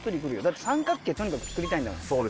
だって三角形とにかく作りたいんだもん。